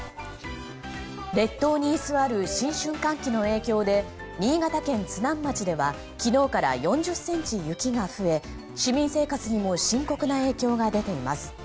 列島に居座る新春寒気の影響で新潟県津南町では昨日から４０ｃｍ雪が増え市民生活にも深刻な影響が出ています。